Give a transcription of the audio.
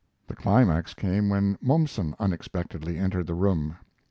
The climax came when Mommsen unexpectedly entered the room.